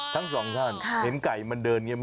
ทั้งสองท่านเห็นไก่มันเดินอย่างนี้